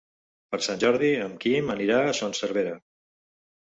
Per Sant Jordi en Quim anirà a Son Servera.